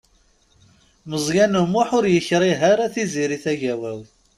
Meẓyan U Muḥ ur yekṛig ara Tiziri Tagawawt.